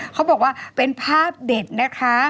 เขาบอกว่าเป็นภาพเด็ดนะคะ